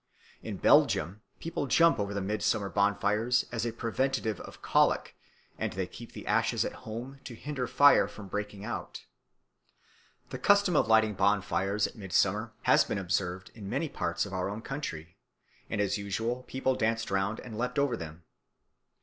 In Belgium people jump over the midsummer bonfires as a preventive of colic, and they keep the ashes at home to hinder fire from breaking out. The custom of lighting bonfires at midsummer has been observed in many parts of our own country, and as usual people danced round and leaped over them.